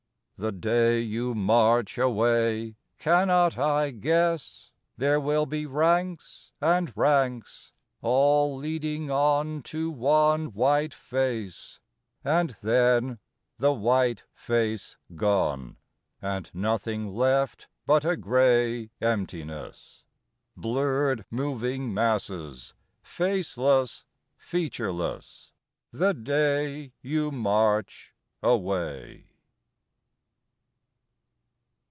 The day you march away cannot I guess? There will be ranks and ranks, all leading on To one white face, and then the white face gone, And nothing left but a gray emptiness Blurred moving masses, faceless, featureless The day you march away.